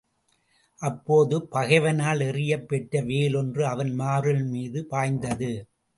அப்போது பகைவனால் எறியப் பெற்ற வேல் ஒன்று அவன் மார்பின் மீது பாய்ந்தது.